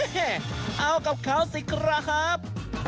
เอากับเขาสิครับ